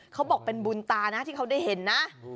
เขาบอกเป็นบุญตานะที่เขาได้เห็นนะ